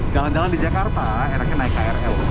jalan jalan di jakarta enaknya naik krl